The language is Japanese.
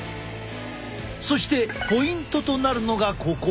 そしてポイントとなるのがここ。